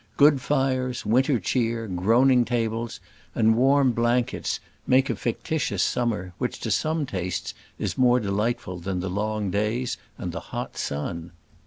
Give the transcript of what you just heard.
Good fires, winter cheer, groaning tables, and warm blankets, make a fictitious summer, which, to some tastes, is more delightful than the long days and the hot sun.